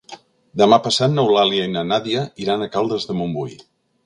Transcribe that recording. Demà passat n'Eulàlia i na Nàdia iran a Caldes de Montbui.